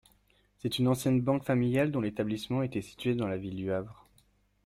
C'est une ancienne banque familiale dont l'établissement était situé dans la ville du Havre.